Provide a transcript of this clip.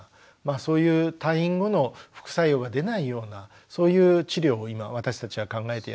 そういう退院後の副作用が出ないようなそういう治療を今私たちは考えてやってますので。